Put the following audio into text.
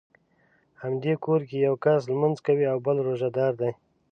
همدې کور کې یو کس لمونځ کوي او بل روژه دار دی.